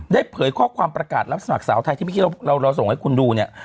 เผยข้อความประกาศรับสมัครสาวไทยที่เมื่อกี้เราส่งให้คุณดูเนี่ย